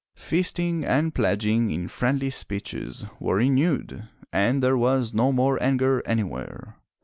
Feasting and pledging in friendly speeches were renewed, and there was no more anger anywhere.